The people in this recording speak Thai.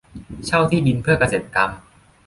เช่าที่ดินเพื่อเกษตรกรรม